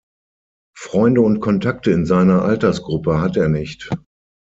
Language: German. Freunde und Kontakte in seiner Altersgruppe hat er nicht.